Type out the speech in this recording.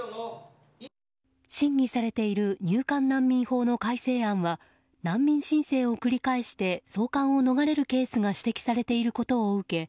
審議されている入管難民法の改正案は難民申請を繰り返して送還を逃れるケースが指摘されていることを受け